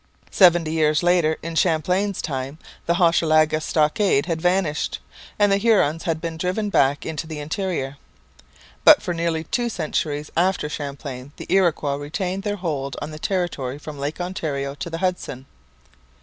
Seventy years later, in Champlain's time, the Hochelaga stockade had vanished, and the Hurons had been driven back into the interior. But for nearly two centuries after Champlain the Iroquois retained their hold on the territory from Lake Ontario to the Hudson.